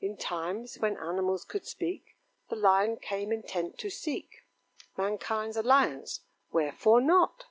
In times when animals could speak, The Lion came intent to seek Mankind's alliance wherefore not?